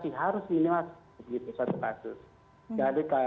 jadi kalau kita mengurangi anak bangsa kita harus mengurangi anak bangsa